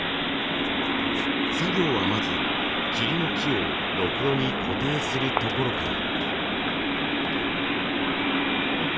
作業はまず桐の木をろくろに固定するところから。